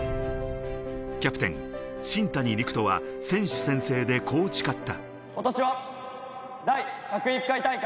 キャプテン・新谷陸斗は選手宣誓でこう誓った。